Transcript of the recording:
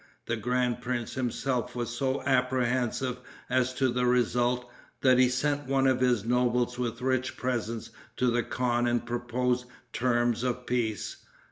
The grand prince himself was so apprehensive as to the result, that he sent one of his nobles with rich presents to the khan and proposed terms of peace.